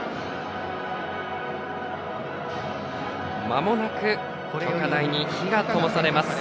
まもなく炬火台に火がともされます。